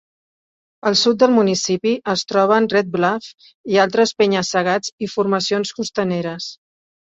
Al sud del municipi, es troben Red Bluff i altres penya-segats i formacions costaneres.